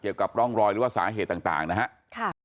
เกี่ยวกับร่องรอยหรือว่าสาเหตุต่างนะครับ